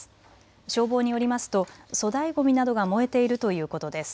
消防によりますと粗大ごみなどが燃えているということです。